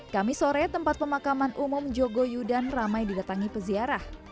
kami sore tempat pemakaman umum jogoyudan ramai didatangi peziarah